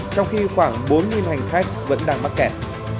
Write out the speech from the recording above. trong khi khoảng bốn hành khách vẫn đang mắc kẹt